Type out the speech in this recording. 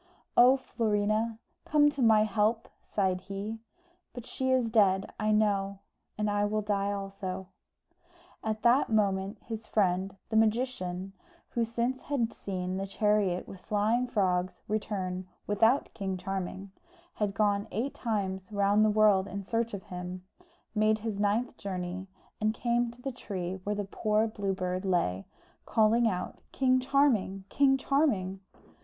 "Oh, Florina, come to my help!" sighed he, "But she is dead, I know, and I will die also." At that moment, his friend, the magician, who since he had seen the chariot with flying frogs return without King Charming, had gone eight times round the world in search of him, made his ninth journey, and came to the tree where the poor Blue Bird lay, calling out, "King Charming, King Charming!"